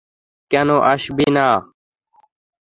কেন আসবি না?